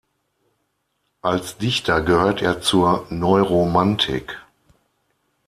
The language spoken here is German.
Als Dichter gehört er zur Neuromantik.